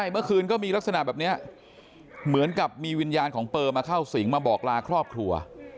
เมื่อคืนก็มีลักษณะแบบนี้เหมือนกับมีวิญญาณของเปอร์มาเข้าสิงมาบอกลาครอบครัว